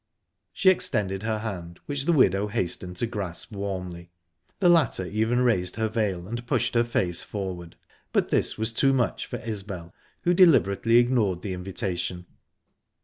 She extended her hand, which the widow hastened to grasp warmly. The latter even raised her veil and pushed her face forward, but this was too much for Isbel, who deliberately ignored the invitation.